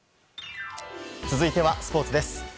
続いてはスポーツです。